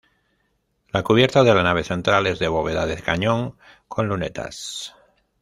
La cubierta de la nave central es de bóveda de cañón con lunetas.